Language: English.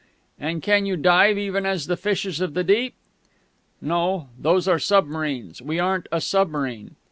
_" "And can you dive, even as the fishes of the deep?" "_No.... Those are submarines ... we aren't a submarine....